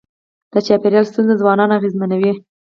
د چاپېریال ستونزې ځوانان اغېزمنوي.